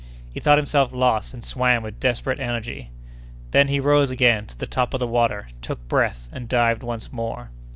He thought himself lost and swam with desperate energy. Then he rose again to the top of the water, took breath and dived once more.